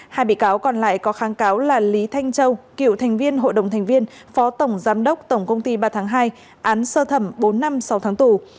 hai bị cáo còn lại có kháng cáo là lý thanh châu cựu thành viên hội đồng thành viên phó tổng giám đốc tổng công ty ba tháng hai án sơ thẩm bốn năm sáu tháng tù